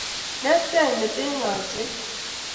Netkei ,meten ng'alalset.